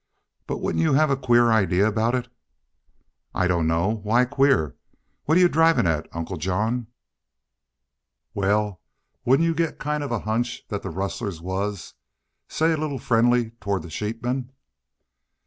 But wouldn't you hev a queer idee aboot it?" "I don't know. Why queer? What 're y'u drivin' at, Uncle John?" "Wal, wouldn't you git kind of a hunch thet the rustlers was say a leetle friendly toward the sheepmen?"